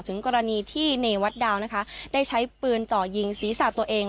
กรณีที่เนวัดดาวนะคะได้ใช้ปืนเจาะยิงศีรษะตัวเอง